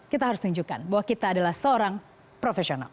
kita harus tunjukkan bahwa kita adalah seorang profesional